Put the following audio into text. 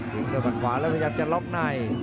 ทิ้งด้วยมันขวาแล้วพยายามจะล๊อคใน